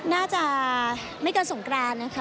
น่าจะไม่เกินสงกรานนะคะ